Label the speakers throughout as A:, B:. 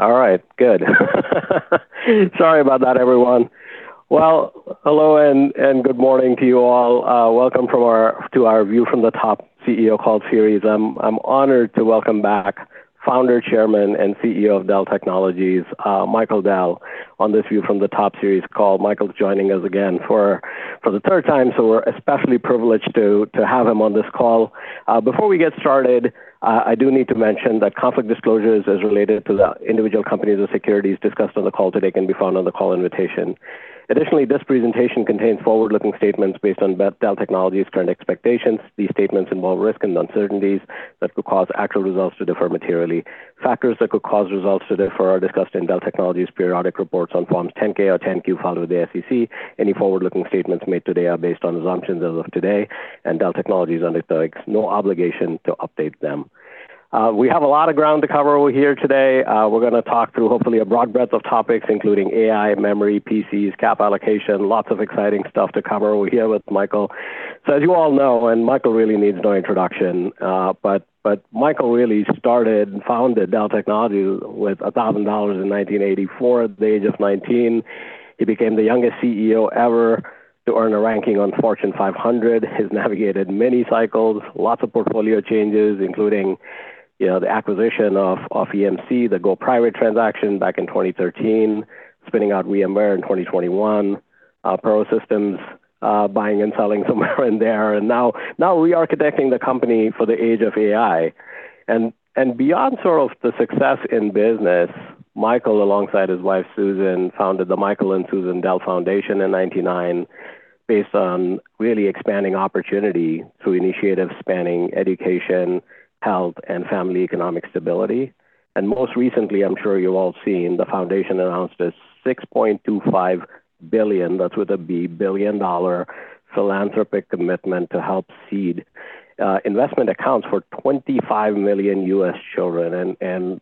A: Okay. All right, good. Sorry about that, everyone. Well, hello and good morning to you all. Welcome to our View From the Top CEO Call Series. I'm honored to welcome back founder, chairman, and CEO of Dell Technologies, Michael Dell, on this View From the Top Series Call. Michael's joining us again for the third time, so we're especially privileged to have him on this call. Before we get started, I do need to mention that conflict disclosures as related to the individual companies or securities discussed on the call today can be found on the call invitation. Additionally, this presentation contains forward-looking statements based on Dell Technologies' current expectations. These statements involve risk and uncertainties that could cause actual results to differ materially. Factors that could cause results to differ are discussed in Dell Technologies' periodic reports on Forms 10-K or 10-Q filed with the SEC. Any forward-looking statements made today are based on assumptions as of today, and Dell Technologies undertakes no obligation to update them. We have a lot of ground to cover here today. We're going to talk through hopefully a broad breadth of topics, including AI, memory, PCs, cap allocation, lots of exciting stuff to cover here with Michael. As you all know, and Michael really needs no introduction, but Michael really started and founded Dell Technologies with $1,000 in 1984 at the age of 19. He became the youngest CEO ever to earn a ranking on Fortune 500, has navigated many cycles, lots of portfolio changes, including the acquisition of EMC, the go private transaction back in 2013, spinning out VMware in 2021, Perot Systems, buying and selling somewhere in there, and now re-architecting the company for the age of AI. Beyond the success in business, Michael, alongside his wife, Susan, founded the Michael & Susan Dell Foundation in 1999 based on really expanding opportunity through initiatives spanning education, health, and family economic stability. Most recently, I'm sure you've all seen, the foundation announced a $6.25 billion, that's with a B, billion-dollar philanthropic commitment to help seed investment accounts for 25 million U.S. children.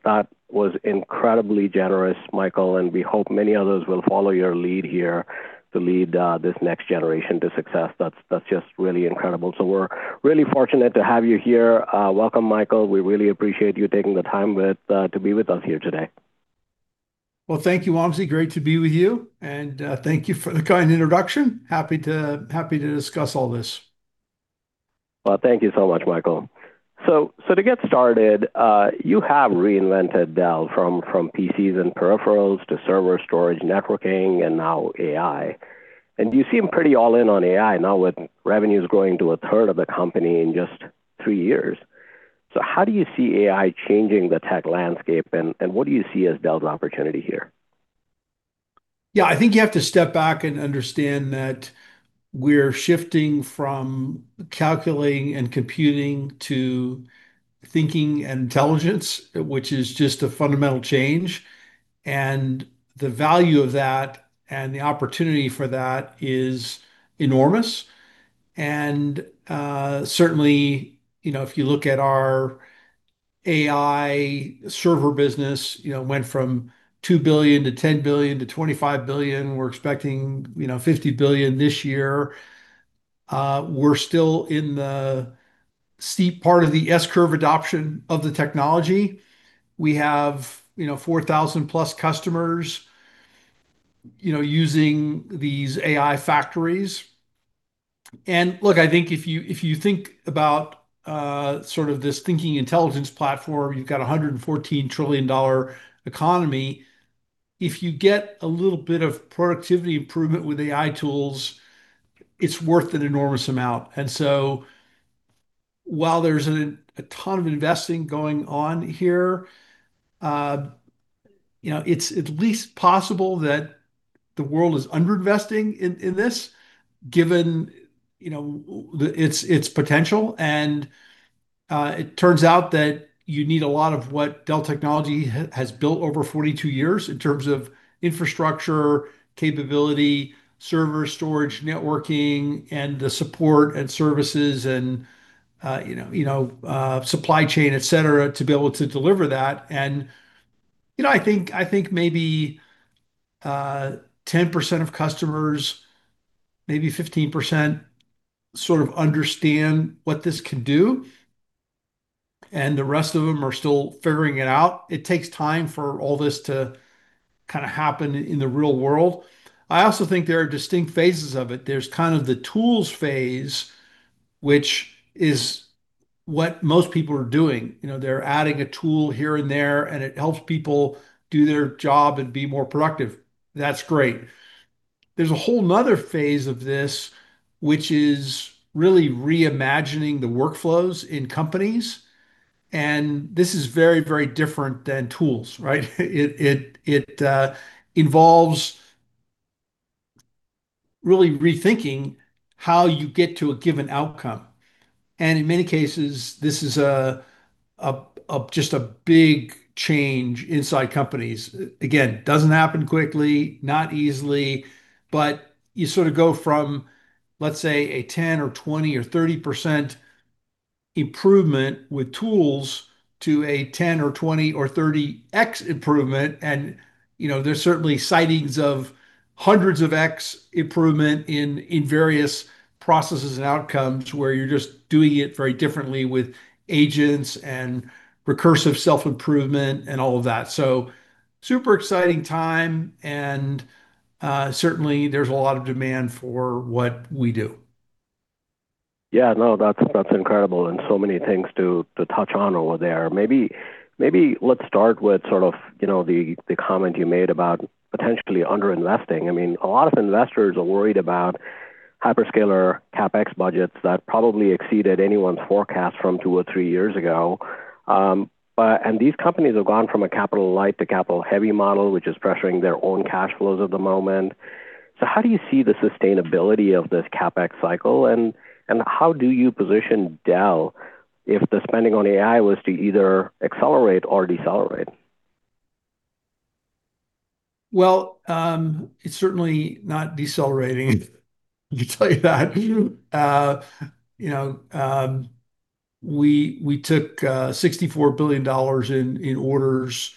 A: That was incredibly generous, Michael, and we hope many others will follow your lead here to lead this next generation to success. That's just really incredible. We're really fortunate to have you here. Welcome, Michael. We really appreciate you taking the time to be with us here today.
B: Well, thank you, Wamsi. Great to be with you. Thank you for the kind introduction. Happy to discuss all this.
A: Well, thank you so much, Michael. To get started, you have reinvented Dell from PCs and peripherals to server storage networking and now AI. You seem pretty all-in on AI now with revenues growing to a third of the company in just three years. How do you see AI changing the tech landscape, and what do you see as Dell's opportunity here?
B: Yeah, I think you have to step back and understand that we're shifting from calculating and computing to thinking and intelligence, which is just a fundamental change. The value of that and the opportunity for that is enormous. Certainly, if you look at our AI server business, went from $2 billion to $10 billion to $25 billion. We're expecting $50 billion this year. We're still in the steep part of the S-curve adoption of the technology. We have 4,000+ customers using these AI factories. Look, I think if you think about this thinking intelligence platform, you've got $114 trillion economy. If you get a little bit of productivity improvement with AI tools, it's worth an enormous amount. While there's a ton of investing going on here, it's at least possible that the world is under-investing in this given its potential. It turns out that you need a lot of what Dell Technologies has built over 42 years in terms of infrastructure, capability, server storage, networking, and the support and services, and supply chain, et cetera, to be able to deliver that. I think maybe 10% of customers, maybe 15% sort of understand what this can do, and the rest of them are still figuring it out. It takes time for all this to happen in the real world. I also think there are distinct phases of it. There's the tools phase, which is what most people are doing. They're adding a tool here and there, and it helps people do their job and be more productive. That's great. There's a whole another phase of this, which is really reimagining the workflows in companies, and this is very, very different than tools, right? It involves really rethinking how you get to a given outcome. In many cases, this is just a big change inside companies. Again, doesn't happen quickly, not easily, but you go from, let's say, a 10% or 20% or 30% improvement with tools to a 10x or 20x or 30x improvement, and there's certainly signs of hundreds of x improvement in various processes and outcomes where you're just doing it very differently with agents and recursive self-improvement and all of that. Super exciting time, and certainly there's a lot of demand for what we do.
A: Yeah. No, that's incredible. Many things to touch on over there. Maybe let's start with the comment you made about potentially under-investing. A lot of investors are worried about hyperscaler CapEx budgets that probably exceeded anyone's forecast from two or three years ago. These companies have gone from a capital light to capital heavy model, which is pressuring their own cash flows at the moment. How do you see the sustainability of this CapEx cycle and how do you position Dell if the spending on AI was to either accelerate or decelerate?
B: Well, it's certainly not decelerating, I can tell you that. We took $64 billion in orders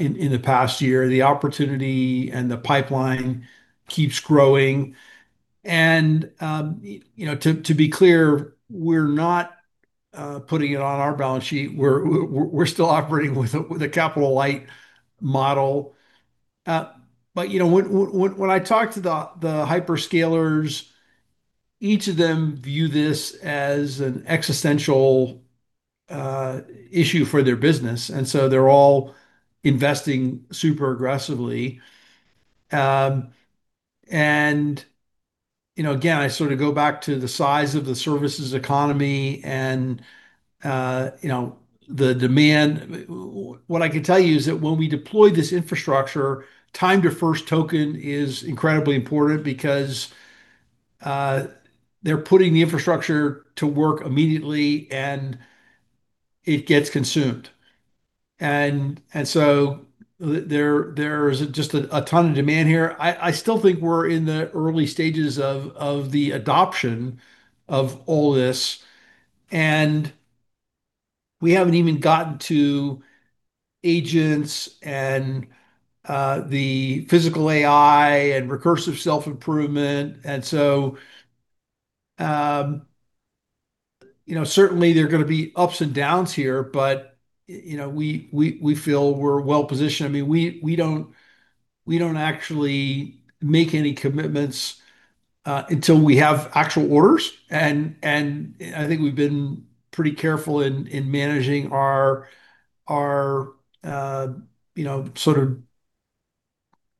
B: in the past year. The opportunity and the pipeline keeps growing. To be clear, we're not putting it on our balance sheet. We're still operating with a capital light model. When I talk to the hyperscalers, each of them view this as an existential issue for their business, and so they're all investing super aggressively. Again, I go back to the size of the services economy and the demand. What I can tell you is that when we deploy this infrastructure, Time to First Token is incredibly important because they're putting the infrastructure to work immediately, and it gets consumed. There is just a ton of demand here. I still think we're in the early stages of the adoption of all this, and we haven't even gotten to agents and the physical AI and recursive self-improvement. Certainly there are going to be ups and downs here, but we feel we're well-positioned. We don't actually make any commitments until we have actual orders. I think we've been pretty careful in managing our sort of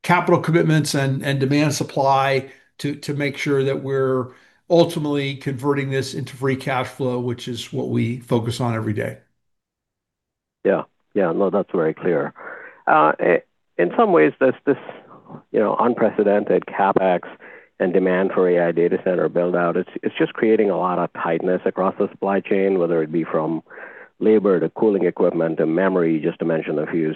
B: capital commitments and demand supply to make sure that we're ultimately converting this into free cash flow, which is what we focus on every day.
A: Yeah. No, that's very clear. In some ways, this unprecedented CapEx and demand for AI data center build-out. It's just creating a lot of tightness across the supply chain, whether it be from labor to cooling equipment to memory, just to mention a few.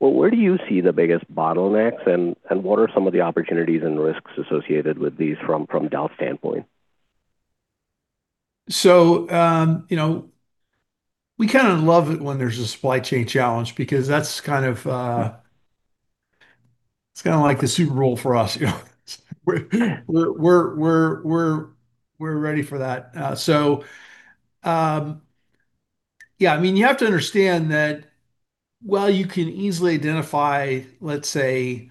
A: Where do you see the biggest bottlenecks, and what are some of the opportunities and risks associated with these from Dell's standpoint?
B: We kind of love it when there's a supply chain challenge because that's kind of like the Super Bowl for us, you know. We're ready for that. You have to understand that while you can easily identify, let's say,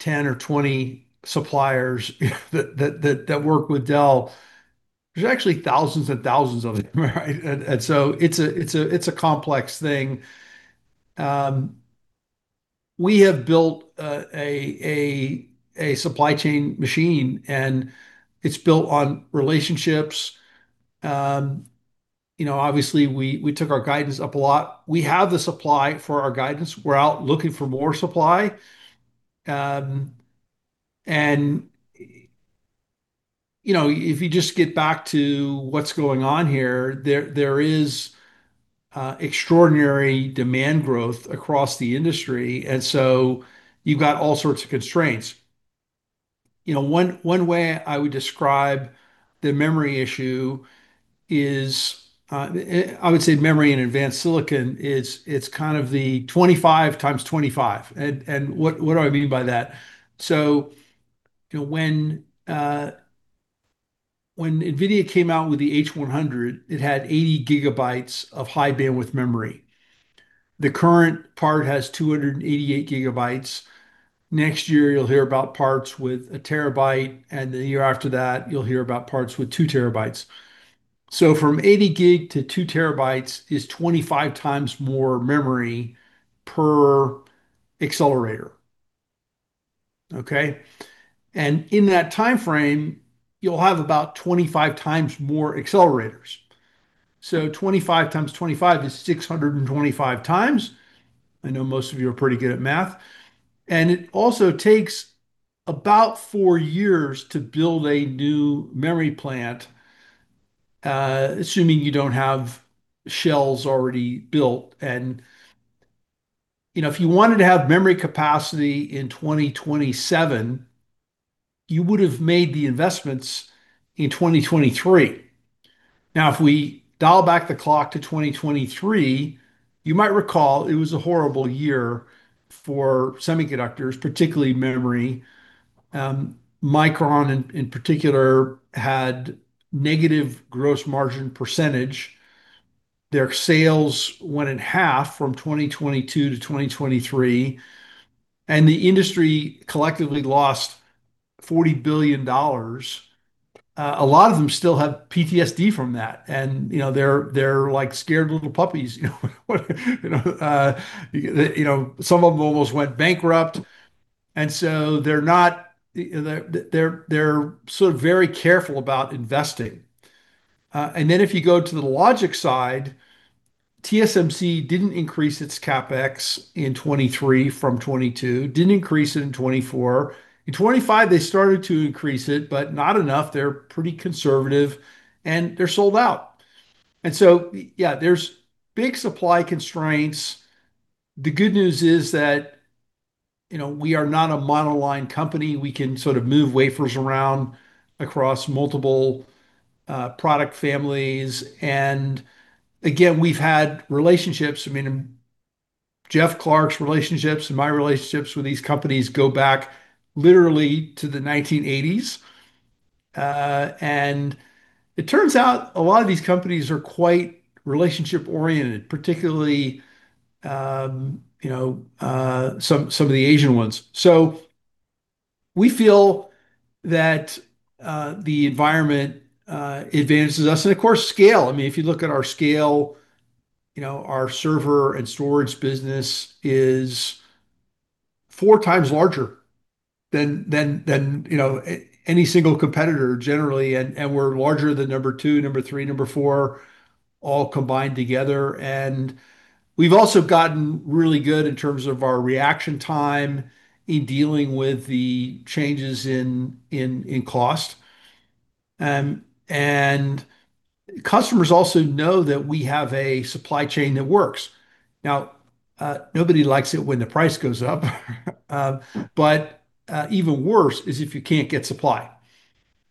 B: 10 or 20 suppliers that work with Dell, there's actually thousands and thousands of them, right. It's a complex thing. We have built a supply chain machine, and it's built on relationships. Obviously, we took our guidance up a lot. We have the supply for our guidance. We're out looking for more supply. If you just get back to what's going on here, there is extraordinary demand growth across the industry, and so you've got all sorts of constraints. One way I would describe the memory issue is, I would say memory and advanced silicon, it's kind of the 25 × 25. What do I mean by that? When NVIDIA came out with the H100, it had 80 GB of High Bandwidth Memory. The current part has 288 GB. Next year, you'll hear about parts with 1 TB, and the year after that, you'll hear about parts with 2 TB. From 80 GB to 2 TB is 25x more memory per accelerator. Okay? In that timeframe, you'll have about 25 times more accelerators. 25x25 is 625x. I know most of you are pretty good at math. It also takes about four years to build a new memory plant, assuming you don't have shells already built. If you wanted to have memory capacity in 2027, you would have made the investments in 2023. Now, if we dial back the clock to 2023, you might recall it was a horrible year for semiconductors, particularly memory. Micron in particular had negative gross margin percentage. Their sales went in half from 2022 to 2023, and the industry collectively lost $40 billion. A lot of them still have PTSD from that. They're like scared little puppies. Some of them almost went bankrupt, and so they're sort of very careful about investing. If you go to the logic side, TSMC didn't increase its CapEx in 2023 from 2022, didn't increase it in 2024. In 2025, they started to increase it, but not enough. They're pretty conservative, and they're sold out. Yeah, there's big supply constraints. The good news is that we are not a monoline company. We can sort of move wafers around across multiple product families. Again, we've had relationships. I mean, Jeff Clarke's relationships and my relationships with these companies go back literally to the 1980s. It turns out a lot of these companies are quite relationship-oriented, particularly some of the Asian ones. We feel that the environment advantages us. Of course, scale. If you look at our scale, our server and storage business is 4x larger than any single competitor generally. We're larger than number two, number three, number four all combined together. We've also gotten really good in terms of our reaction time in dealing with the changes in cost. Customers also know that we have a supply chain that works. Now, nobody likes it when the price goes up, but even worse is if you can't get supply.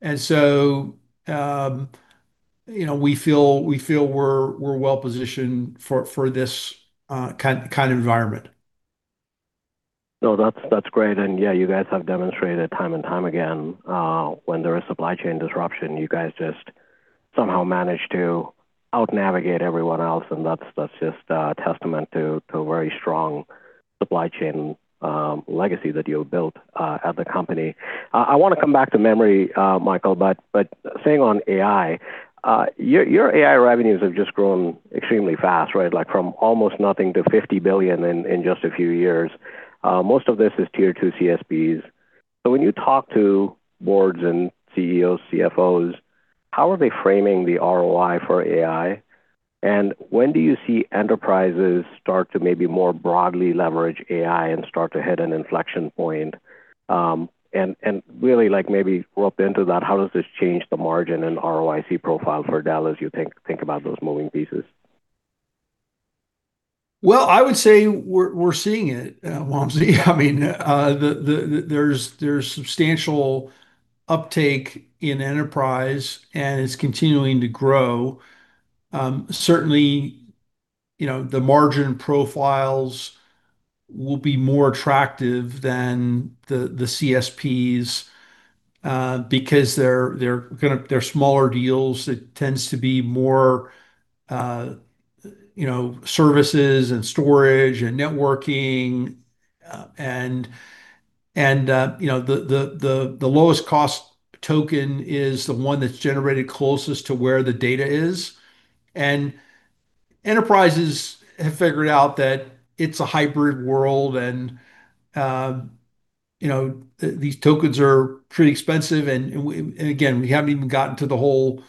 B: We feel we're well-positioned for this kind of environment.
A: No, that's great. Yeah, you guys have demonstrated time and time again, when there is supply chain disruption, you guys just somehow manage to out-navigate everyone else, and that's just a testament to a very strong supply chain legacy that you have built at the company. I want to come back to memory, Michael, but staying on AI, your AI revenues have just grown extremely fast, right? From almost nothing to $50 billion in just a few years. Most of this is Tier 2 CSPs. When you talk to boards and CEOs, CFOs, how are they framing the ROI for AI? When do you see enterprises start to maybe more broadly leverage AI and start to hit an inflection point? Really maybe rope into that, how does this change the margin and ROIC profile for Dell as you think about those moving pieces?
B: Well, I would say we're seeing it, Wamsi. I mean, there's substantial uptake in enterprise, and it's continuing to grow. Certainly, the margin profiles will be more attractive than the CSPs, because they're smaller deals. It tends to be more services and storage and networking. The lowest cost token is the one that's generated closest to where the data is. Enterprises have figured out that it's a hybrid world, and these tokens are pretty expensive. Again, we haven't even gotten to the whole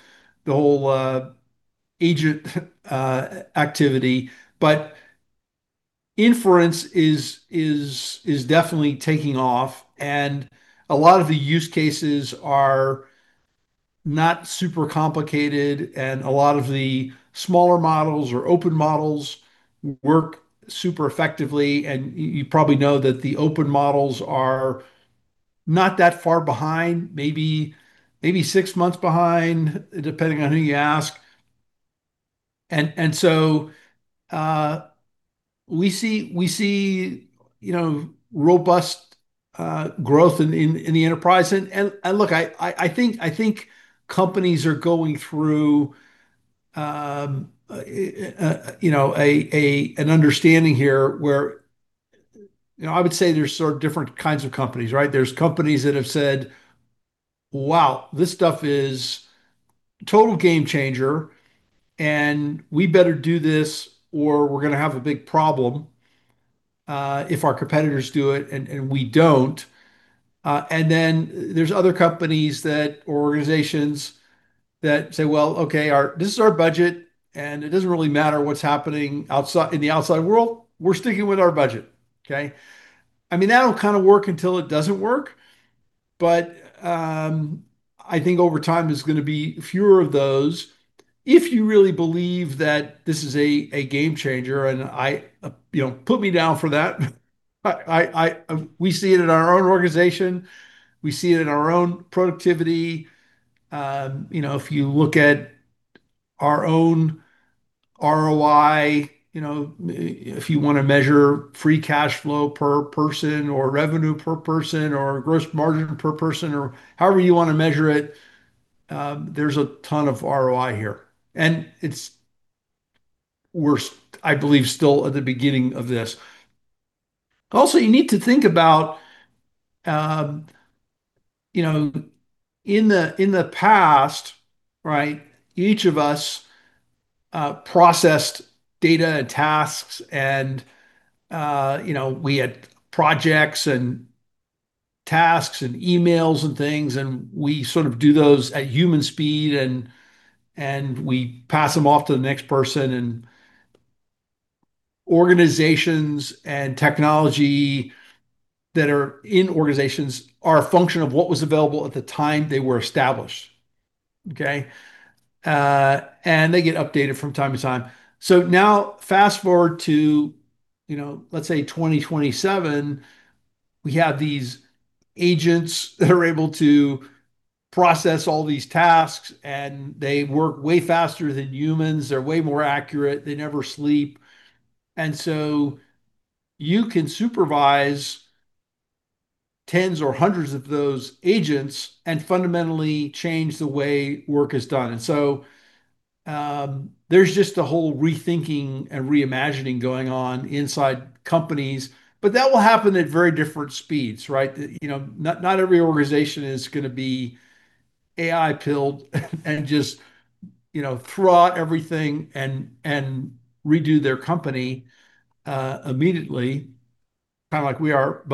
B: agent activity, but inference is definitely taking off, and a lot of the use cases are not super complicated, and a lot of the smaller models or open models work super effectively. You probably know that the open models are not that far behind, maybe six months behind, depending on who you ask. We see robust growth in the enterprise. Look, I think companies are going through an understanding here where, I would say there's sort of different kinds of companies, right? There's companies that have said, "Wow, this stuff is total game changer, and we better do this, or we're going to have a big problem if our competitors do it, and we don't." Then there's other companies or organizations that say, "Well, okay, this is our budget, and it doesn't really matter what's happening in the outside world. We're sticking with our budget." Okay? I mean, that'll kind of work until it doesn't work, but I think over time, there's going to be fewer of those if you really believe that this is a game changer. Put me down for that. We see it in our own organization. We see it in our own productivity. If you look at our own ROI, if you want to measure free cash flow per person or revenue per person or gross margin per person or however you want to measure it, there's a ton of ROI here. We're, I believe, still at the beginning of this. Also, you need to think about in the past, right, each of us processed data and tasks and we had projects and tasks and emails and things, and we sort of do those at human speed and we pass them off to the next person. Organizations and technology that are in organizations are a function of what was available at the time they were established, okay? They get updated from time to time. Now fast-forward to, let's say 2027. We have these agents that are able to process all these tasks, and they work way faster than humans. They're way more accurate. They never sleep. You can supervise tens or hundreds of those agents and fundamentally change the way work is done. There's just a whole rethinking and reimagining going on inside companies. That will happen at very different speeds, right? Not every organization is going to be AI-pilled and just throw out everything and redo their company immediately, kind of like we are.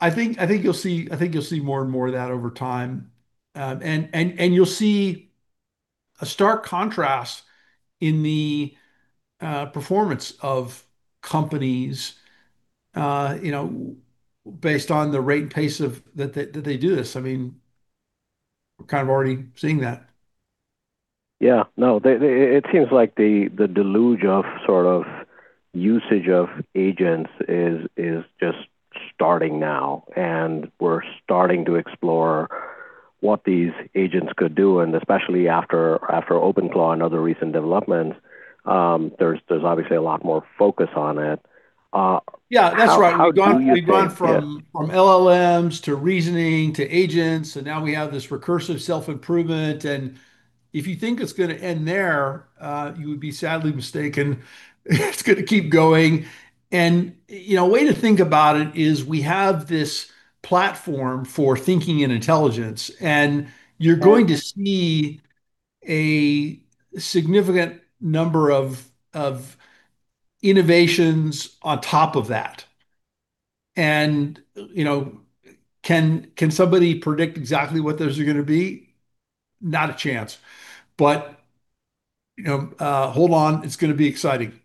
B: I think you'll see more and more of that over time. You'll see a stark contrast in the performance of companies based on the rate and pace that they do this. We're kind of already seeing that.
A: Yeah. No, it seems like the deluge of usage of agents is just starting now. We're starting to explore what these agents could do, and especially after OpenAI and other recent developments, there's obviously a lot more focus on it.
B: Yeah. That's right.
A: How do you think?
B: We've gone from LLMs to reasoning to agents, and now we have this recursive self-improvement. If you think it's going to end there, you would be sadly mistaken. It's going to keep going. A way to think about it is we have this platform for thinking and intelligence, and you're going to see a significant number of innovations on top of that. Can somebody predict exactly what those are going to be? Not a chance. Hold on, it's going to be exciting.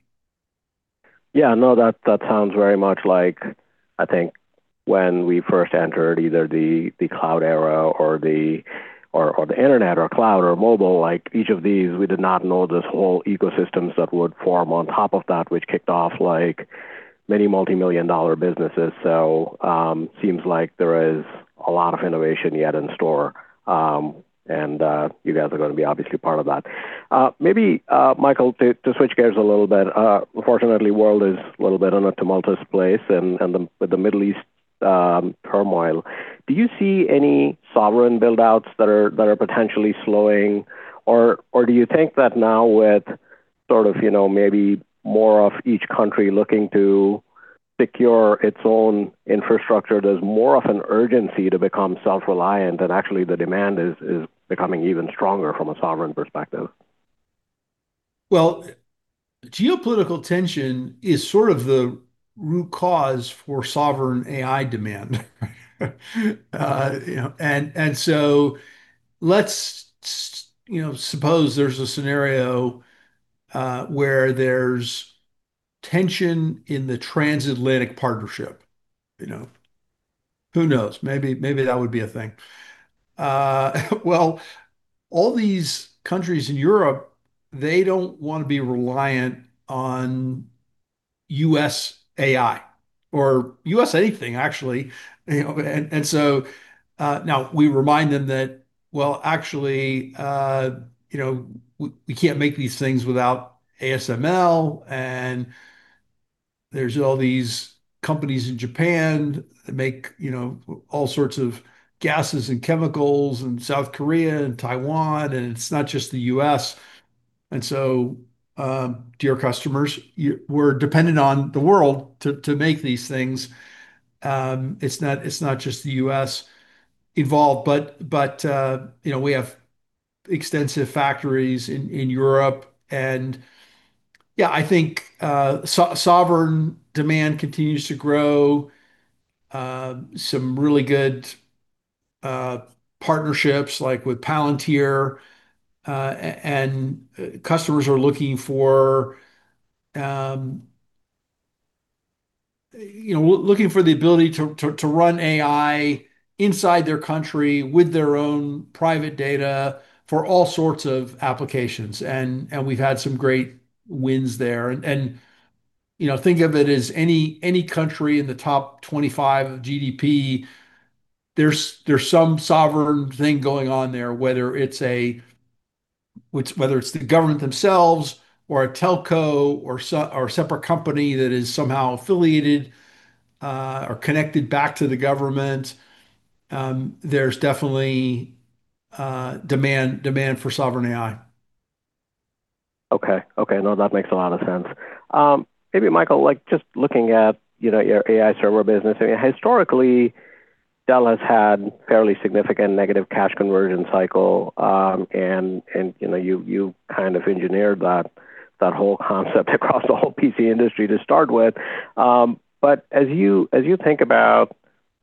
A: Yeah. No, that sounds very much like, I think, when we first entered either the cloud era or the internet or cloud or mobile, like each of these, we did not know this whole ecosystems that would form on top of that, which kicked off many multimillion-dollar businesses. Seems like there is a lot of innovation yet in store. You guys are going to be obviously part of that. Maybe, Michael, to switch gears a little bit, unfortunately, the world is a little bit in a tumultuous place with the Middle East turmoil. Do you see any sovereign build-outs that are potentially slowing? Or do you think that now with maybe more of each country looking to secure its own infrastructure, there's more of an urgency to become self-reliant, and actually the demand is becoming even stronger from a sovereign perspective?
B: Well, geopolitical tension is sort of the root cause for sovereign AI demand. Let's suppose there's a scenario where there's tension in the transatlantic partnership. Who knows? Maybe that would be a thing. Well, all these countries in Europe, they don't want to be reliant on U.S. AI or U.S. anything, actually. Now we remind them that, well, actually, we can't make these things without ASML, and there's all these companies in Japan that make all sorts of gases and chemicals, and South Korea and Taiwan, and it's not just the U.S. Dear customers, we're dependent on the world to make these things. It's not just the U.S. involved, but we have extensive factories in Europe. Yeah, I think sovereign demand continues to grow. Some really good partnerships like with Palantir, and customers are looking for the ability to run AI inside their country with their own private data for all sorts of applications. We've had some great wins there. Think of it as any country in the top 25 of GDP. There's some sovereign thing going on there, whether it's the government themselves or a telco or separate company that is somehow affiliated or connected back to the government. There's definitely demand for sovereign AI.
A: Okay. No, that makes a lot of sense. Maybe Michael, just looking at your AI server business, historically Dell has had fairly significant negative cash conversion cycle, and you kind of engineered that whole concept across the whole PC industry to start with. But as you think about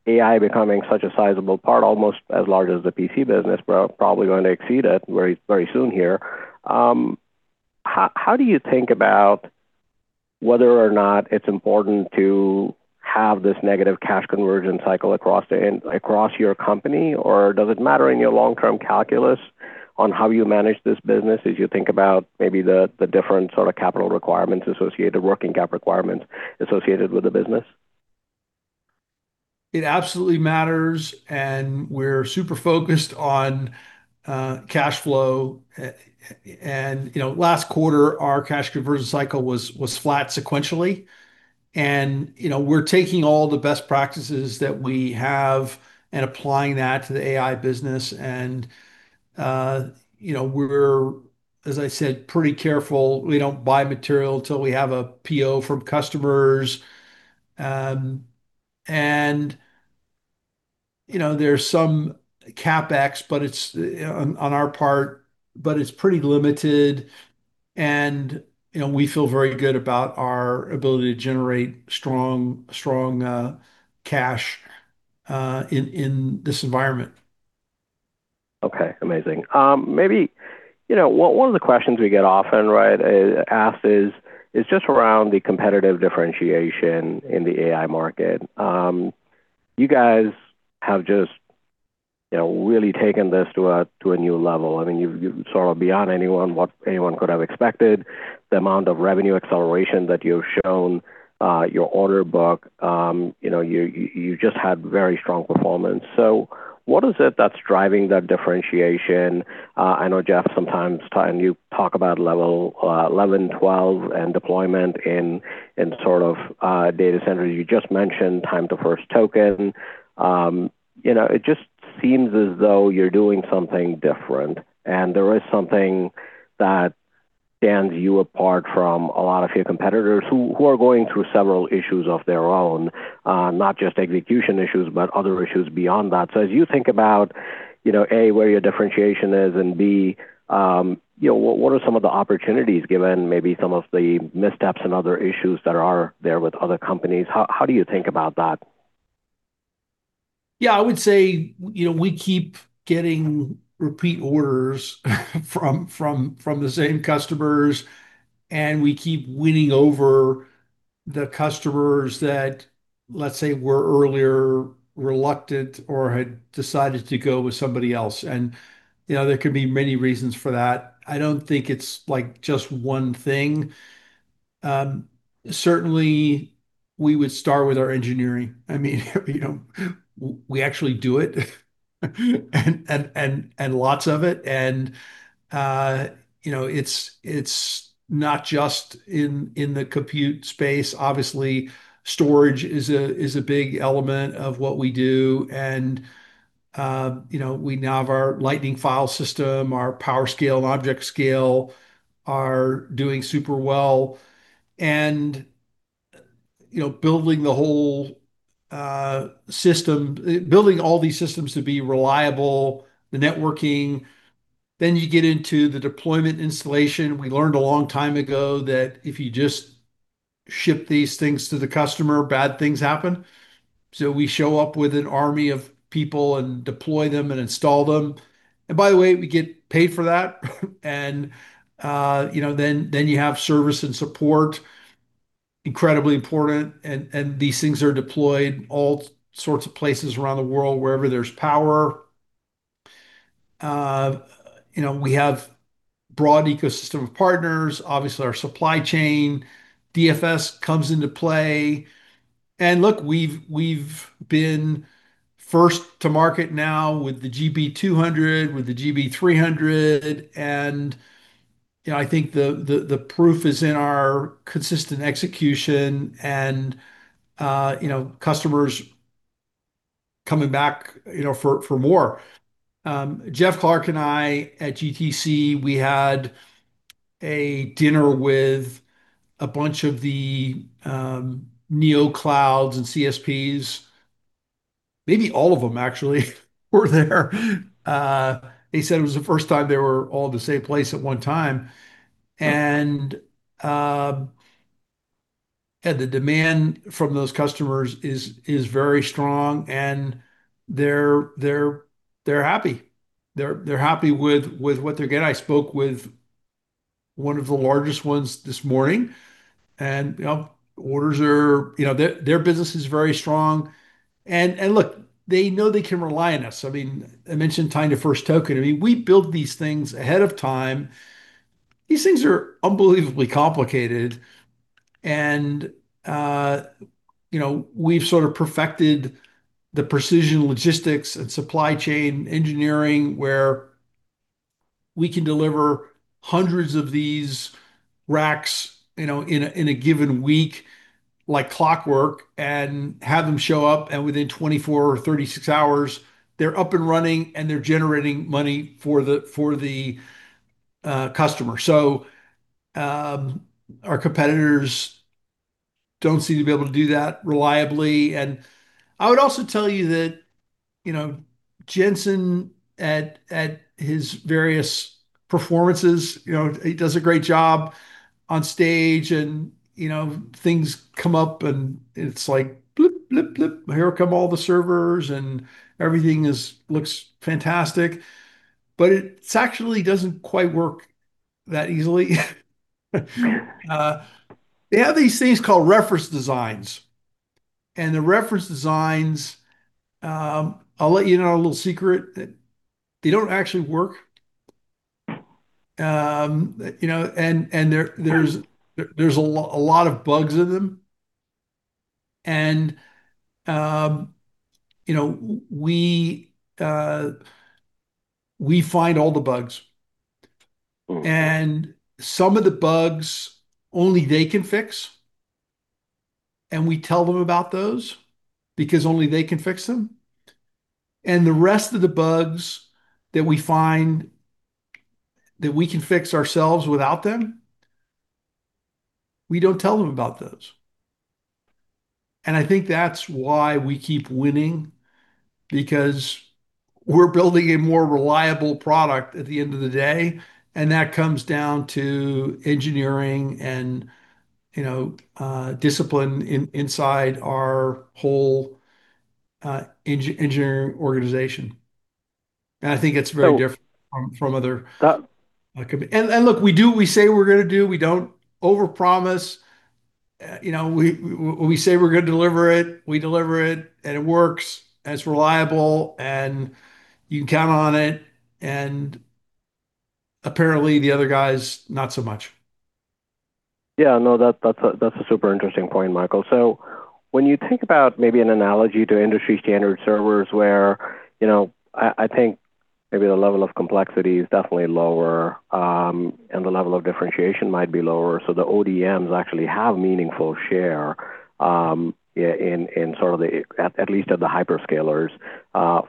A: AI becoming such a sizable part, almost as large as the PC business, probably going to exceed it very soon here, how do you think about whether or not it's important to have this negative cash conversion cycle across your company? Or does it matter in your long-term calculus on how you manage this business as you think about maybe the different sort of capital requirements associated, working cap requirements associated with the business?
B: It absolutely matters, and we're super focused on cash flow. Last quarter, our cash conversion cycle was flat sequentially. We're taking all the best practices that we have and applying that to the AI business, and we're, as I said, pretty careful. We don't buy material till we have a PO from customers. There's some CapEx on our part, but it's pretty limited. We feel very good about our ability to generate strong cash in this environment.
A: Okay. Amazing. One of the questions we get often asked is just around the competitive differentiation in the AI market. You guys have just really taken this to a new level. I mean, you're sort of beyond what anyone could have expected. The amount of revenue acceleration that you've shown, your order book, you've just had very strong performance. What is it that's driving that differentiation? I know Jeff sometimes, you talk about Level 11/12 and deployment in sort of data centers. You just mentioned Time to First Token. It just seems as though you're doing something different. There is something that stands you apart from a lot of your competitors who are going through several issues of their own, not just execution issues, but other issues beyond that. As you think about, A, where your differentiation is, and B, what are some of the opportunities given maybe some of the missteps and other issues that are there with other companies? How do you think about that?
B: Yeah, I would say, we keep getting repeat orders from the same customers, and we keep winning over the customers that, let's say, were earlier reluctant or had decided to go with somebody else. There could be many reasons for that. I don't think it's just one thing. Certainly, we would start with our engineering. We actually do it, and lots of it. It's not just in the compute space. Obviously, storage is a big element of what we do, and we now have our Lightning File System. Our PowerScale and ObjectScale are doing super well. Building all these systems to be reliable, the networking, then you get into the deployment installation. We learned a long time ago that if you just ship these things to the customer, bad things happen. We show up with an army of people and deploy them and install them. By the way, we get paid for that. Then you have service and support, incredibly important, and these things are deployed all sorts of places around the world, wherever there's power. We have broad ecosystem of partners. Obviously, our supply chain, DFS comes into play. Look, we've been first to market now with the GB200, with the GB300, and I think the proof is in our consistent execution and customers coming back for more. Jeff Clarke and I at GTC, we had a dinner with a bunch of the neo clouds and CSPs. Maybe all of them actually were there. They said it was the first time they were all at the same place at one time. The demand from those customers is very strong, and they're happy. They're happy with what they're getting. I spoke with one of the largest ones this morning, and their business is very strong. Look, they know they can rely on us. I mentioned Time to First Token. We build these things ahead of time. These things are unbelievably complicated. We've sort of perfected the precision logistics and supply chain engineering, where we can deliver hundreds of these racks in a given week like clockwork and have them show up, and within 24 or 36 hours, they're up and running, and they're generating money for the customer. Our competitors don't seem to be able to do that reliably. I would also tell you that Jensen, at his various performances, he does a great job on stage, and things come up and it's like bloop, bloop. Here come all the servers, and everything looks fantastic. It actually doesn't quite work that easily. They have these things called reference designs. The reference designs, I'll let you in on a little secret, they don't actually work. There's a lot of bugs in them. We find all the bugs, and some of the bugs only they can fix, and we tell them about those because only they can fix them. The rest of the bugs that we find that we can fix ourselves without them, we don't tell them about those. I think that's why we keep winning, because we're building a more reliable product at the end of the day, and that comes down to engineering and discipline inside our whole engineering organization. I think it's very different from other. Look, we do what we say we're going to do. We don't overpromise. We say we're going to deliver it, we deliver it, and it works, and it's reliable, and you can count on it. Apparently, the other guys, not so much.
A: Yeah, no, that's a super interesting point, Michael. When you think about maybe an analogy to industry-standard servers where, I think maybe the level of complexity is definitely lower, and the level of differentiation might be lower, so the ODMs actually have meaningful share in sort of the, at least of the hyperscalers,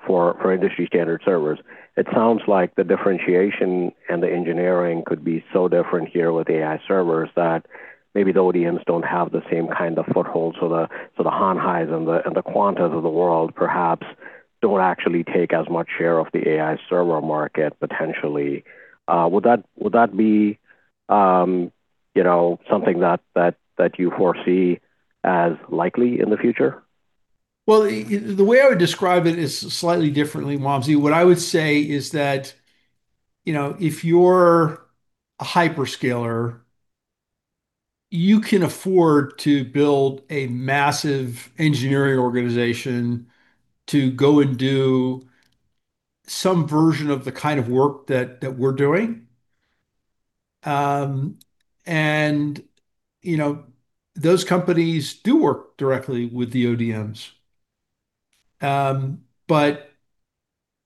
A: for industry-standard servers. It sounds like the differentiation and the engineering could be so different here with AI servers that maybe the ODMs don't have the same kind of foothold. The Hon Hai and the Quanta of the world perhaps don't actually take as much share of the AI server market, potentially. Would that be something that you foresee as likely in the future?
B: Well, the way I would describe it is slightly differently, Wamsi. What I would say is that, if you're a hyperscaler, you can afford to build a massive engineering organization to go and do some version of the kind of work that we're doing. Those companies do work directly with the ODMs.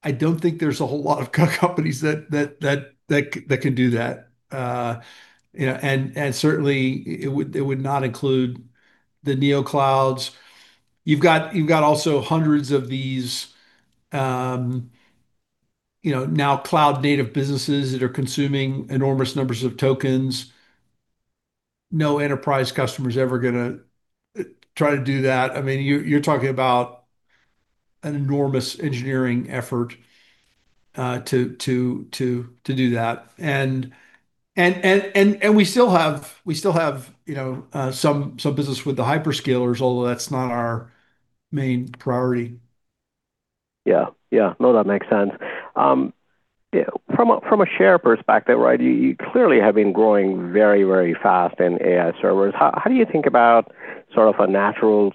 B: I don't think there's a whole lot of companies that can do that. Certainly it would not include the new clouds. You've got also hundreds of these now cloud-native businesses that are consuming enormous numbers of tokens. No enterprise customer's ever going to try to do that. You're talking about an enormous engineering effort to do that. We still have some business with the hyperscalers, although that's not our main priority.
A: Yeah. No, that makes sense. From a share perspective, right, you clearly have been growing very, very fast in AI servers. How do you think about sort of a natural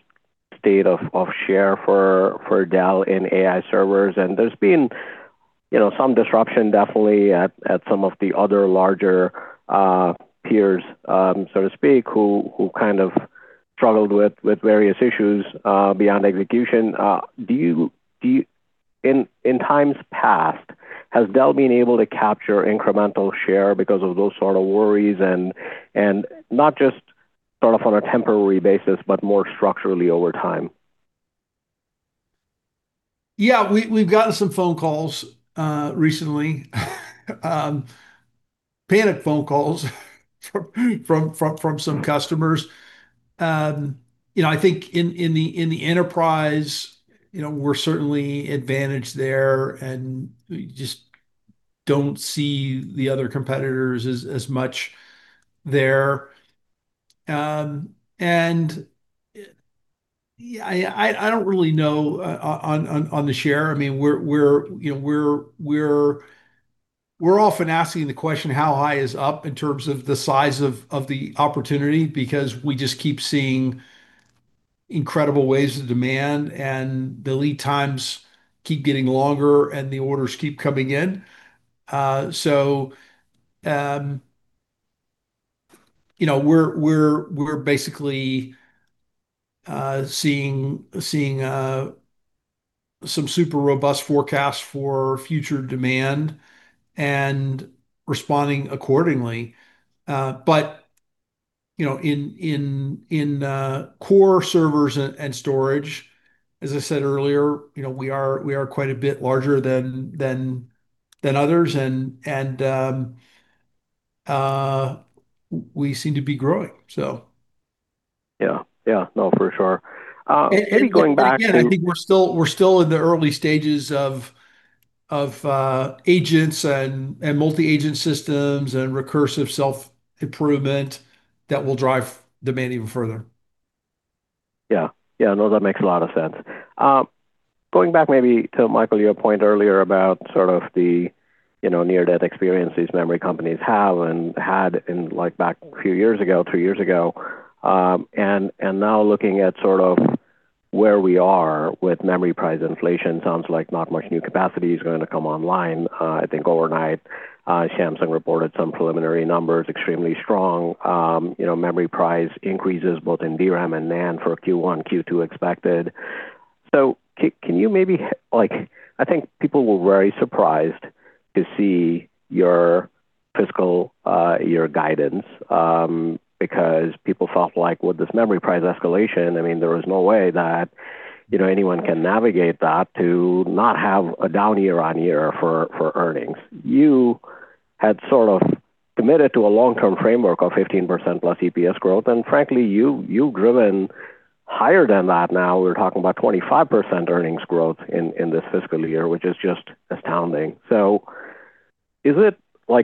A: state of share for Dell in AI servers? There's been some disruption definitely at some of the other larger peers, so to speak, who kind of struggled with various issues beyond execution. In times past, has Dell been able to capture incremental share because of those sort of worries and not just sort of on a temporary basis, but more structurally over time?
B: Yeah. We've gotten some phone calls recently, panic phone calls from some customers. I think in the enterprise, we're certainly advantaged there, and we just don't see the other competitors as much there. I don't really know on the share. We're often asking the question, how high is up in terms of the size of the opportunity? Because we just keep seeing incredible waves of demand, and the lead times keep getting longer, and the orders keep coming in. We're basically seeing some super robust forecasts for future demand and responding accordingly. In core servers and storage, as I said earlier, we are quite a bit larger than others, and we seem to be growing.
A: Yeah. No, for sure. Maybe going back to.
B: Again, I think we're still in the early stages of agents and multi-agent systems and recursive self-improvement that will drive demand even further.
A: Yeah. No, that makes a lot of sense. Going back maybe to, Michael, your point earlier about sort of the near-death experience these memory companies have and had back a few years ago, two years ago, and now looking at sort of where we are with memory price inflation, sounds like not much new capacity is going to come online. I think overnight, Samsung reported some preliminary numbers, extremely strong. Memory price increases both in DRAM and NAND for Q1, Q2 expected. I think people were very surprised to see your fiscal year guidance, because people felt like with this memory price escalation, there was no way that anyone can navigate that to not have a down year-on-year for earnings. You had sort of committed to a long-term framework of 15%+ EPS growth, and frankly, you've driven higher than that now. We're talking about 25% earnings growth in this fiscal year, which is just astounding.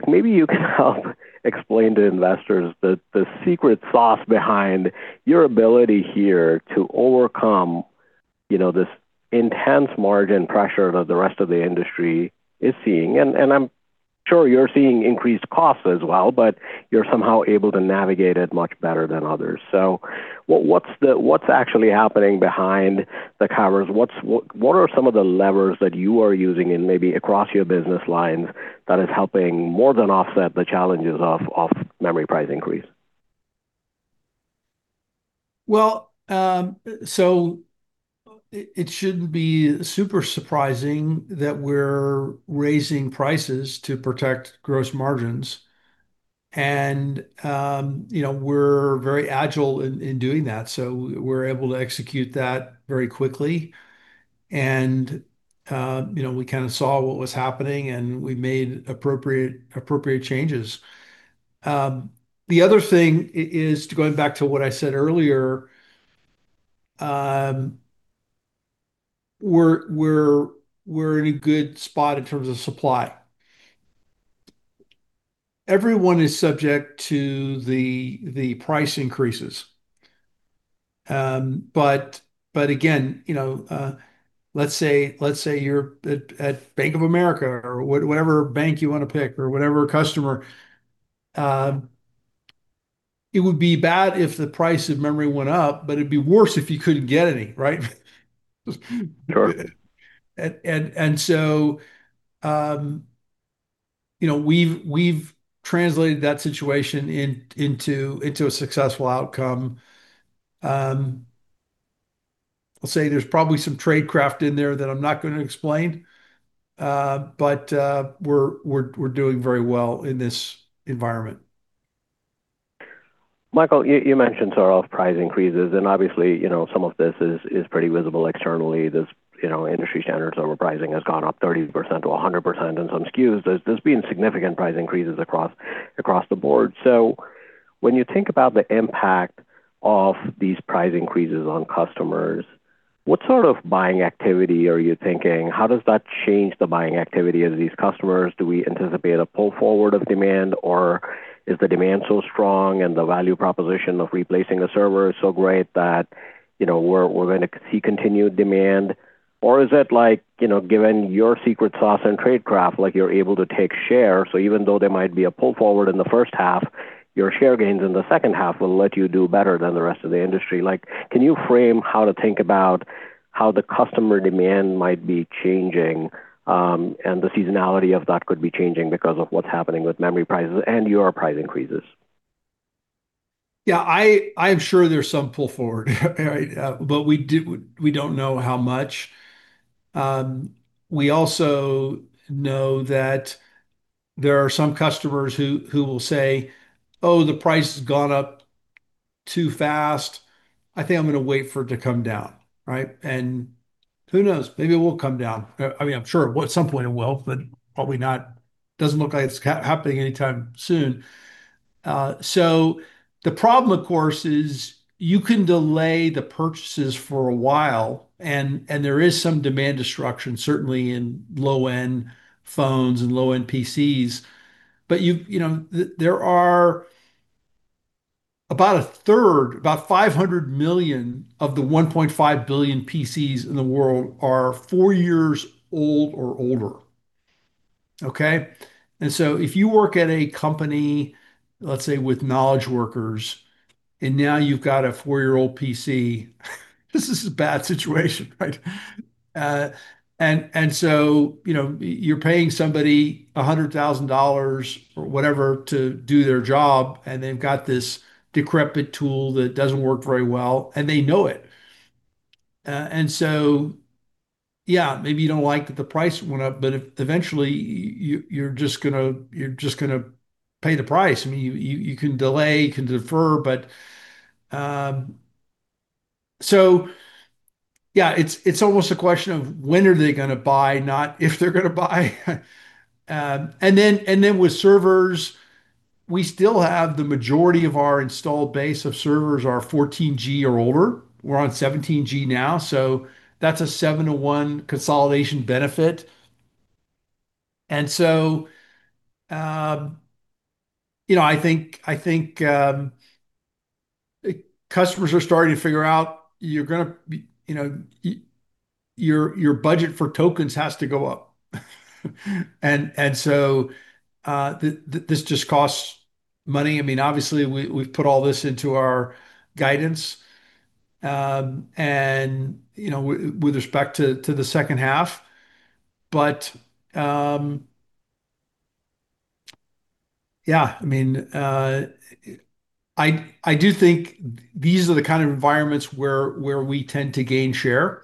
A: Maybe you can help explain to investors the secret sauce behind your ability here to overcome this intense margin pressure that the rest of the industry is seeing. I'm sure you're seeing increased costs as well, but you're somehow able to navigate it much better than others. What's actually happening behind the covers? What are some of the levers that you are using, and maybe across your business lines, that is helping more than offset the challenges of memory price increase?
B: Well, it shouldn't be super surprising that we're raising prices to protect gross margins. We're very agile in doing that, so we're able to execute that very quickly. We kind of saw what was happening, and we made appropriate changes. The other thing is, going back to what I said earlier, we're in a good spot in terms of supply. Everyone is subject to the price increases. Again, let's say you're at Bank of America or whatever bank you want to pick, or whatever customer, it would be bad if the price of memory went up, but it'd be worse if you couldn't get any, right?
A: Sure.
B: We've translated that situation into a successful outcome. I'll say there's probably some tradecraft in there that I'm not going to explain, but we're doing very well in this environment.
A: Michael, you mentioned sort of price increases, and obviously, some of this is pretty visible externally. This industry standard sort of pricing has gone up 30%-100% in some SKUs. There's been significant price increases across the board. When you think about the impact of these price increases on customers, what sort of buying activity are you thinking? How does that change the buying activity of these customers? Do we anticipate a pull forward of demand, or is the demand so strong and the value proposition of replacing a server is so great that we're going to see continued demand? Is it like, given your secret sauce and trade craft, you're able to take share, so even though there might be a pull forward in the first half, your share gains in the second half will let you do better than the rest of the industry. Can you frame how to think about how the customer demand might be changing, and the seasonality of that could be changing because of what's happening with memory prices and your price increases?
B: Yeah, I am sure there's some pull forward but we don't know how much. We also know that there are some customers who will say, "Oh, the price has gone up too fast. I think I'm going to wait for it to come down." Right? Who knows? Maybe it will come down. I'm sure at some point it will, but probably not. Doesn't look like it's happening anytime soon. The problem, of course, is you can delay the purchases for a while, and there is some demand destruction, certainly in low-end phones and low-end PCs, but there are about 1/3, about 500 million of the 1.5 billion PCs in the world are four years old or older. Okay? If you work at a company, let's say, with knowledge workers, and now you've got a four-year-old PC, this is a bad situation, right? You're paying somebody $100,000 or whatever to do their job, and they've got this decrepit tool that doesn't work very well, and they know it. Yeah, maybe you don't like that the price went up, but eventually, you're just going to pay the price. You can delay, you can defer. Yeah, it's almost a question of when are they going to buy, not if they're going to buy. Then with servers, we still have the majority of our installed base of servers are 14G or older. We're on 17G now, so that's a seven-to-one consolidation benefit. I think customers are starting to figure out your budget for tokens has to go up. This just costs money. Obviously, we've put all this into our guidance with respect to the second half. Yeah. I do think these are the kind of environments where we tend to gain share.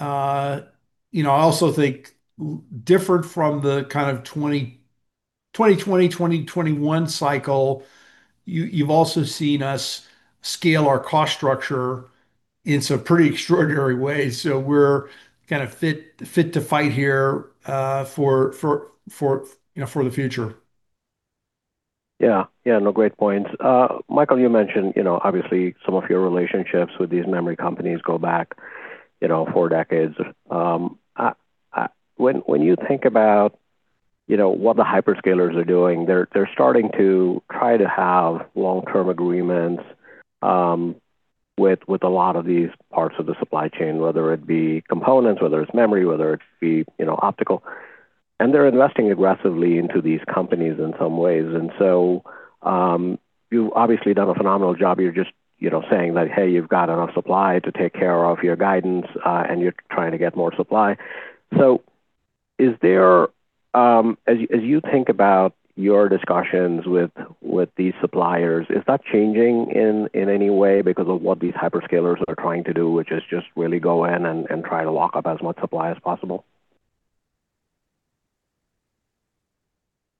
B: I also think different from the kind of 2020, 2021 cycle, you've also seen us scale our cost structure in some pretty extraordinary ways. We're kind of fit to fight here for the future.
A: Yeah. No, great points. Michael, you mentioned, obviously, some of your relationships with these memory companies go back four decades. When you think about what the hyperscalers are doing, they're starting to try to have long-term agreements with a lot of these parts of the supply chain, whether it be components, whether it's memory, whether it be optical. They're investing aggressively into these companies in some ways. You've obviously done a phenomenal job. You're just saying that, hey, you've got enough supply to take care of your guidance, and you're trying to get more supply. As you think about your discussions with these suppliers, is that changing in any way because of what these hyperscalers are trying to do, which is just really go in and try to lock up as much supply as possible?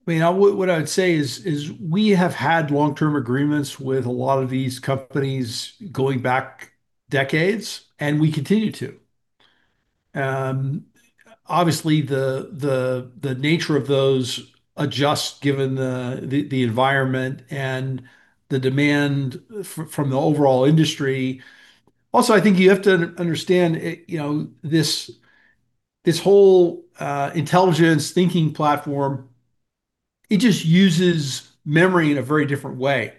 B: What I would say is we have had long-term agreements with a lot of these companies going back decades, and we continue to. Obviously, the nature of those adjust given the environment and the demand from the overall industry. Also, I think you have to understand, this whole intelligence thinking platform, it just uses memory in a very different way.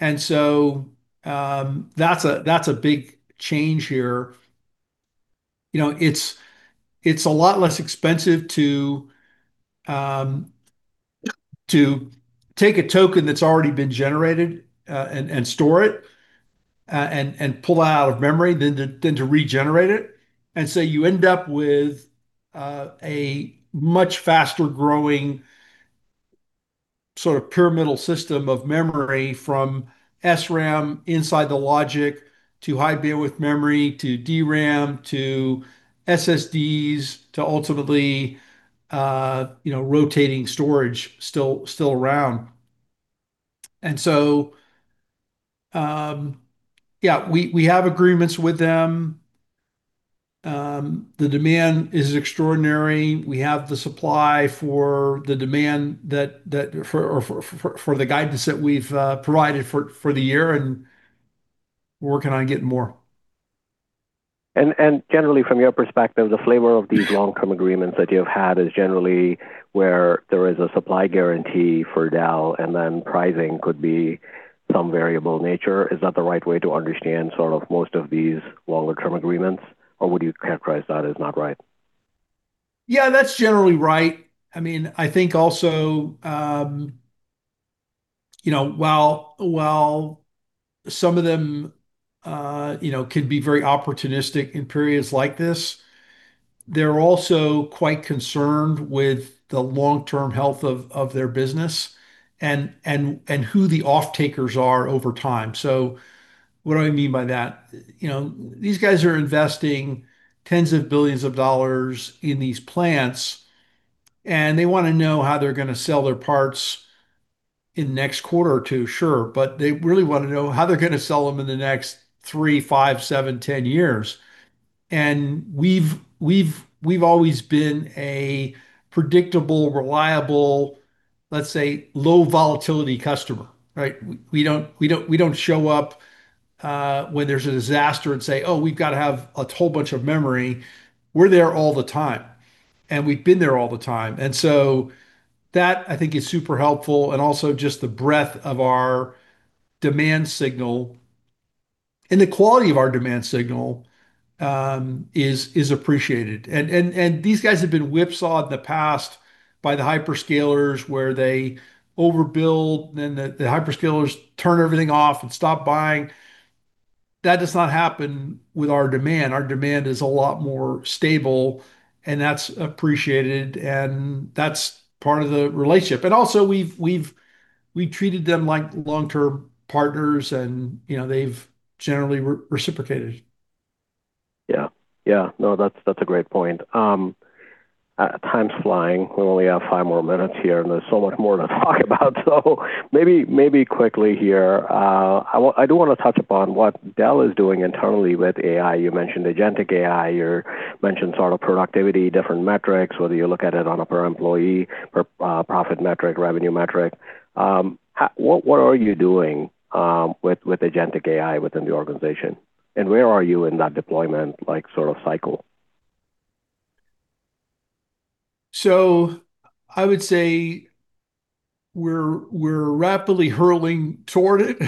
B: That's a big change here. It's a lot less expensive to take a token that's already been generated, and store it, and pull it out of memory than to regenerate it. You end up with a much faster-growing sort of pyramidal system of memory from SRAM inside the logic to High Bandwidth Memory to DRAM to SSDs to ultimately rotating storage still around. Yeah. We have agreements with them. The demand is extraordinary. We have the supply for the demand or for the guidance that we've provided for the year, and we're working on getting more.
A: Generally, from your perspective, the flavor of these long-term agreements that you've had is generally where there is a supply guarantee for Dell, and then pricing could be some variable nature. Is that the right way to understand sort of most of these longer-term agreements, or would you characterize that as not right?
B: Yeah, that's generally right. I think also, while some of them can be very opportunistic in periods like this, they're also quite concerned with the long-term health of their business and who the off-takers are over time. What do I mean by that? These guys are investing tens of billions of dollars in these plants, and they want to know how they're going to sell their parts in the next quarter or two, sure. They really want to know how they're going to sell them in the next three, five, seven, 10 years. We've always been a predictable, reliable, let's say low volatility customer, right? We don't show up when there's a disaster and say, "Oh, we've got to have a whole bunch of memory." We're there all the time, and we've been there all the time. That I think is super helpful. Also just the breadth of our demand signal and the quality of our demand signal is appreciated. These guys have been whipsawed in the past by the hyperscalers, where they overbuild, then the hyperscalers turn everything off and stop buying. That does not happen with our demand. Our demand is a lot more stable, and that's appreciated, and that's part of the relationship. Also, we've treated them like long-term partners and they've generally reciprocated.
A: Yeah. No, that's a great point. Time's flying. We only have five more minutes here, and there's so much more to talk about. Maybe quickly here, I do want to touch upon what Dell is doing internally with AI. You mentioned agentic AI, you mentioned sort of productivity, different metrics, whether you look at it on a per employee, per profit metric, revenue metric. What are you doing with agentic AI within the organization, and where are you in that deployment sort of cycle?
B: I would say we're rapidly hurtling toward it.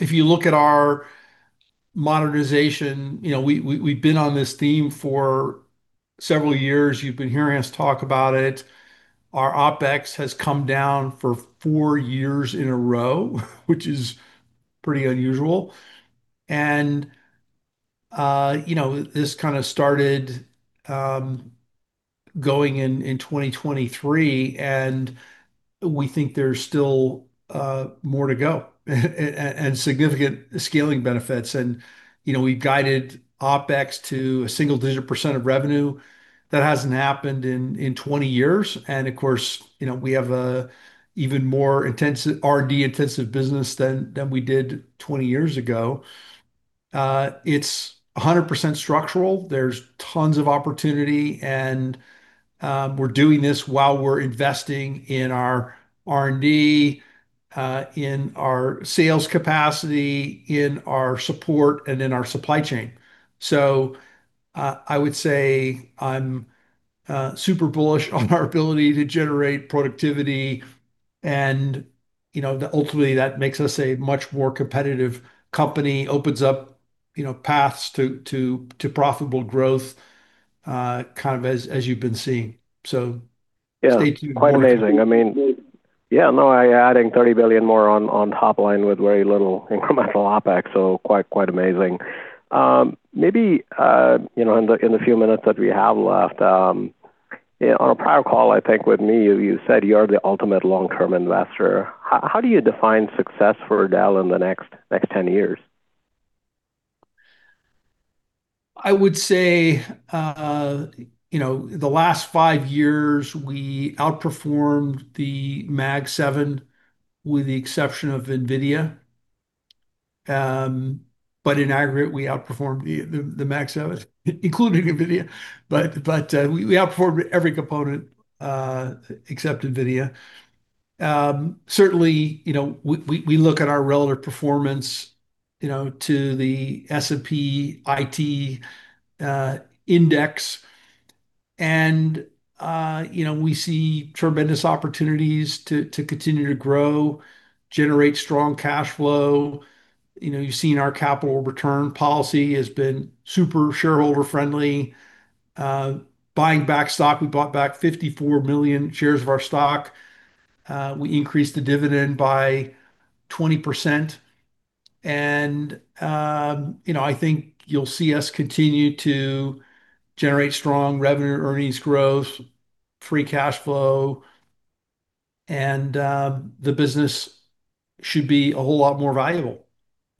B: If you look at our monetization, we've been on this theme for several years. You've been hearing us talk about it. Our OpEx has come down for four years in a row, which is pretty unusual. This kind of started going in 2023, and we think there's still more to go, and significant scaling benefits. We've guided OpEx to a single-digit percent of revenue. That hasn't happened in 20 years, and of course, we have an even more R&D-intensive business than we did 20 years ago. It's 100% structural. There's tons of opportunity, and we're doing this while we're investing in our R&D, in our sales capacity, in our support, and in our supply chain. I would say I'm super bullish on our ability to generate productivity, and ultimately, that makes us a much more competitive company, opens up paths to profitable growth, kind of as you've been seeing. Stay tuned.
A: Yeah. Quite amazing. Yeah, no, adding $30 billion more on top line with very little incremental OpEx, so quite amazing. Maybe in the few minutes that we have left, on a prior call, I think, with me, you said you are the ultimate long-term investor. How do you define success for Dell in the next 10 years?
B: I would say, the last five years, we outperformed the Mag 7, with the exception of NVIDIA. In aggregate, we outperformed the Mag 7, including NVIDIA. We outperformed every component except NVIDIA. Certainly, we look at our relative performance to the S&P IT index, and we see tremendous opportunities to continue to grow, generate strong cash flow. You've seen our capital return policy has been super shareholder friendly. Buying back stock, we bought back 54 million shares of our stock. We increased the dividend by 20%, and I think you'll see us continue to generate strong revenue, earnings growth, free cash flow, and the business should be a whole lot more valuable.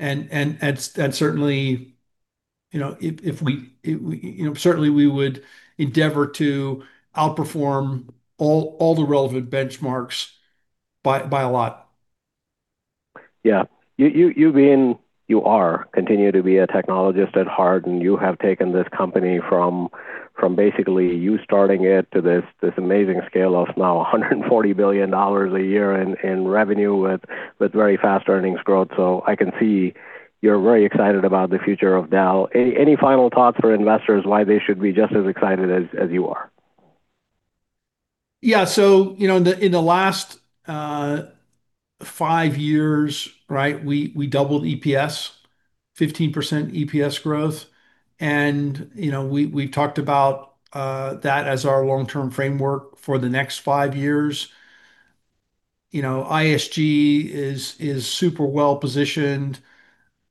B: Certainly we would endeavor to outperform all the relevant benchmarks by a lot.
A: Yeah. You are, continue to be a technologist at heart, and you have taken this company from basically you starting it to this amazing scale of now $140 billion a year in revenue with very fast earnings growth. I can see you're very excited about the future of Dell. Any final thoughts for investors why they should be just as excited as you are?
B: Yeah. In the last five years, right? We doubled EPS, 15% EPS growth, and we've talked about that as our long-term framework for the next five years. ISG is super well-positioned.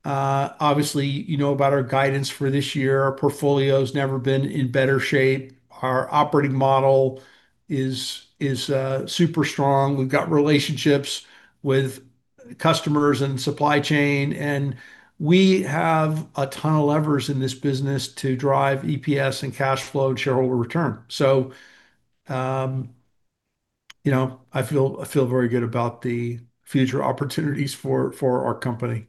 B: Obviously, you know about our guidance for this year. Our portfolio's never been in better shape. Our operating model is super strong. We've got relationships with customers and supply chain, and we have a ton of levers in this business to drive EPS and cash flow and shareholder return. I feel very good about the future opportunities for our company.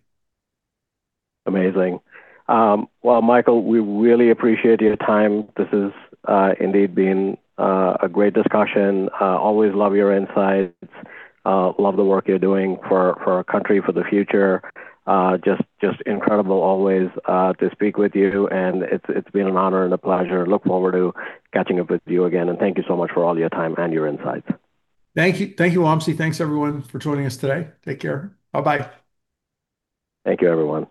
A: Amazing. Well, Michael, we really appreciate your time. This has indeed been a great discussion. Always love your insights, love the work you're doing for our country, for the future. Just incredible always to speak with you, and it's been an honor and a pleasure. Look forward to catching up with you again, and thank you so much for all your time and your insights.
B: Thank you, Wamsi. Thanks, everyone, for joining us today. Take care. Bye-bye.
A: Thank you, everyone.